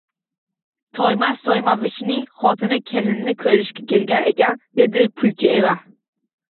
Toymas Toymasovichning xotini kelinini ko`rishga kelgan ekan, dedi Pulchieva